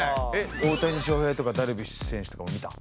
大谷翔平とかダルビッシュ選手とかも見た？